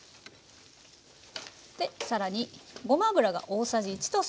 で更にごま油が大さじ１。